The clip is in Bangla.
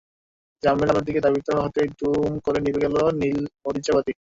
জামিল আলোর দিকে ধাবিত হতেই দুম করে নিভে গেল নীল মরিচবাতি।